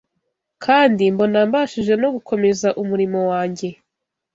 kandi mbona mbashije no gukomeza umurimo wanjye.